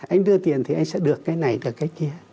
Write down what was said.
anh đưa tiền thì anh sẽ được cái này từ cái kia